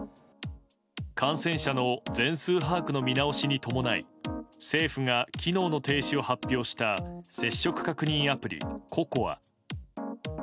感染者の全数把握の見直しに伴い政府が機能の停止を発表した接触確認